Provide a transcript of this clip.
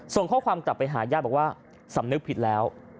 ส่งข้อความกลับไปหาญาติบอกว่าสำนึกผิดแล้ว